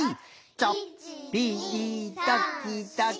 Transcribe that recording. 「ちょっぴりどきどき」